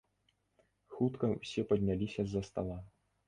Хутка ўсе падняліся з-за стала.